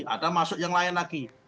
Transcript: ada masuk yang lain lagi